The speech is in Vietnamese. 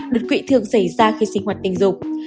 đột quỵ thường xảy ra khi sinh hoạt tình dục